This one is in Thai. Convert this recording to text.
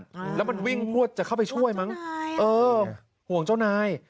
อ่าแล้วมันวิ่งรวดจะเข้าไปช่วยมั้งห่วงเจ้านายเออห่วงเจ้านาย